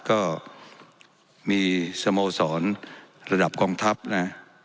ก็มีสโมสรระดับกองทัพนะ